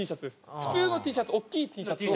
普通のＴシャツ大きいＴシャツを。